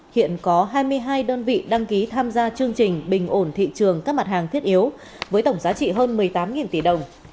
hiện có hai mươi hai đơn vị đăng ký tham gia chương trình bình ổn thị trường các mặt hàng thiết yếu với tổng giá trị hơn một mươi tám tỷ đồng